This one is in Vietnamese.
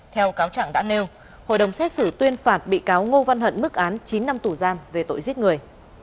theo cáo chẳng đã nêu hội đồng xét xử tuyên phạt bị cáo ngô văn hận mức án chín năm tù giam về tội giết người